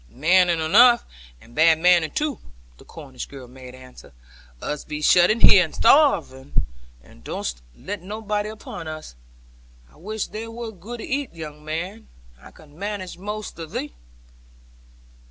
'Maning enough, and bad maning too,' the Cornish girl made answer. Us be shut in here, and starving, and durstn't let anybody in upon us. I wish thou wer't good to ate, young man: I could manage most of thee.'